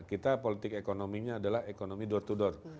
kita politik ekonominya adalah ekonomi door to door